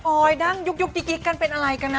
อยดั้งยุกกิ๊กกันเป็นอะไรกันนะ